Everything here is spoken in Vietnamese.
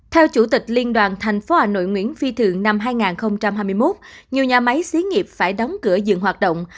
theo chủ tịch liên đoàn tp hà nội nguyễn phi thượng năm hai nghìn hai mươi một nhiều nhà máy xí nghiệp phải đóng cửa dừng hoạt động